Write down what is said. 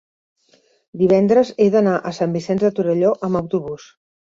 divendres he d'anar a Sant Vicenç de Torelló amb autobús.